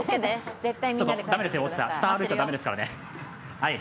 落ちちゃだめですよ、下歩いちゃだめですからね。